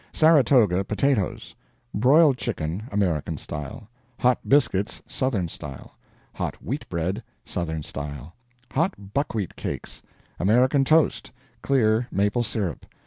Saratoga potatoes. Broiled chicken, American style. Hot biscuits, Southern style. Hot wheat bread, Southern style. Hot buckwheat cakes. American toast. Clear maple syrup.